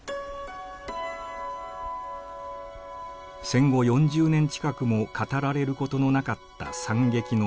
戦後４０年近くも語られることのなかった惨劇の真相。